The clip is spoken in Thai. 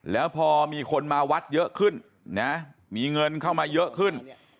แล้วพอมีคนมาวัดเยอะขึ้นนะมีเงินเข้ามาเยอะขึ้น